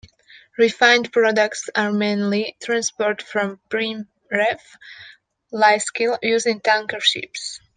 Refined products are mainly transported from Preemraff Lysekil using tanker ships.